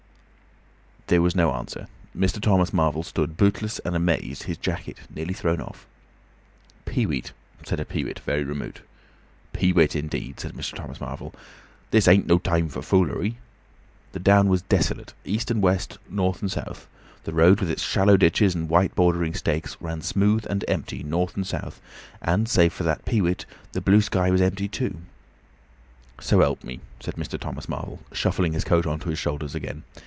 There was no answer. Mr. Thomas Marvel stood bootless and amazed, his jacket nearly thrown off. "Peewit," said a peewit, very remote. "Peewit, indeed!" said Mr. Thomas Marvel. "This ain't no time for foolery." The down was desolate, east and west, north and south; the road with its shallow ditches and white bordering stakes, ran smooth and empty north and south, and, save for that peewit, the blue sky was empty too. "So help me," said Mr. Thomas Marvel, shuffling his coat on to his shoulders again.